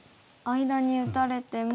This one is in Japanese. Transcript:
間に打たれても。